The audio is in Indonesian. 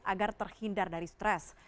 agar terhindar dari stres